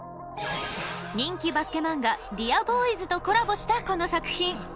人気バスケ漫画「ＤＥＡＲＢＯＹＳ」とコラボした、この作品。